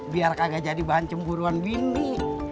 biar kagak jadi bahan cemburuan bimbi